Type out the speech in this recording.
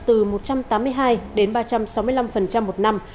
từ một trăm tám mươi hai đến ba trăm sáu mươi năm một năm